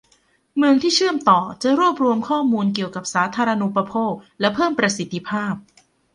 เมืองที่เชื่อมต่อจะรวบรวมข้อมูลเกี่ยวกับสาธารณูปโภคและเพิ่มประสิทธิภาพ